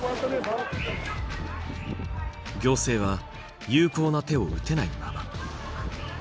行政は有効な手を打てないまま。